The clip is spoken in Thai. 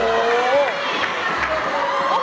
โอ้โห